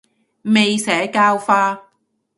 未社教化